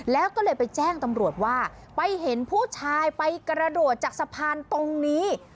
แล้วก็เลยไปแจ้งตำรวจว่าไปเห็นผู้ชายไปกระโดดจากสะพานตรงนี้